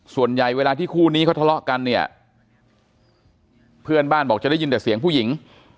ส่วนใหญ่เวลาที่คู่นี้เขาทะเลาะกันเนี่ยเพื่อนบ้านบอกจะได้ยินแต่เสียงผู้หญิง